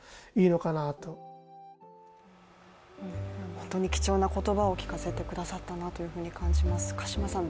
本当に貴重な言葉を聞かせてくださったなと感じます。